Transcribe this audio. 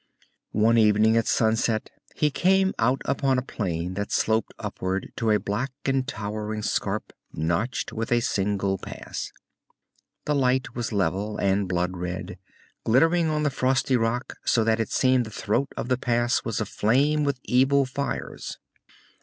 One evening at sunset he came out upon a plain that sloped upward to a black and towering scarp, notched with a single pass. The light was level and blood red, glittering on the frosty rock so that it seemed the throat of the pass was aflame with evil fires.